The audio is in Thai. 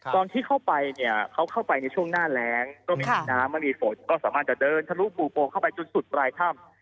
ตอนที่เข้าไปเนี่ยเขาเข้าไปในช่วงหน้าแรงก็ไม่มีน้ำไม่มีฝนก็สามารถจะเดินทะลุปู่โปเข้าไปจนสุดปลายถ้ำ